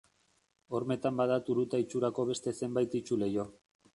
Hormetan bada turuta-itxurako beste zenbait itsu-leiho.